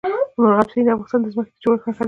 مورغاب سیند د افغانستان د ځمکې د جوړښت نښه ده.